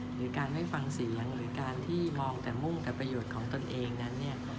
หรือการไม่ฟังเสียงหรือการที่มองแต่มุ่งแต่ประโยชน์ของตนเองนั้น